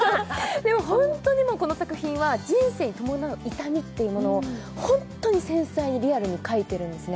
本当にこの作品は人生に伴う痛みというものを本当に繊細にリアルに描いてるんですね。